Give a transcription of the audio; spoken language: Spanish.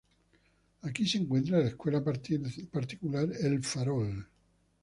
Aquí se encuentra la escuela particular El Farol.